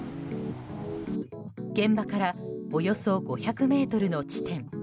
現場からおよそ５００ｍの地点。